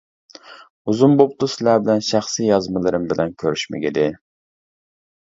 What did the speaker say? ئۇزۇن بوپتۇ سىلەر بىلەن شەخسىي يازمىلىرىم بىلەن كۆرۈشمىگىلى.